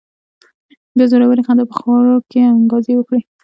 بيا زورورې خندا په خوړ کې انګازې وکړې.